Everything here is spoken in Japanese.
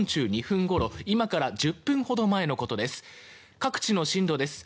各地の震度です。